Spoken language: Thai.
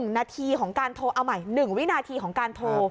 นาทีของการโทรเอาใหม่๑วินาทีของการโทร